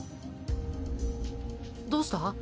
どうした？